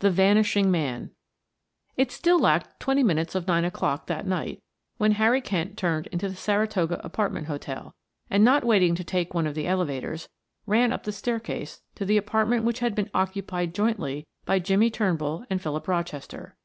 THE VANISHING MAN It still lacked twenty minutes of nine o'clock that night when Harry Kent turned into the Saratoga apartment hotel, and not waiting to take one of the elevators, ran up the staircase to the apartment which had been occupied jointly by Jimmie Turnbull and Philip Rochester.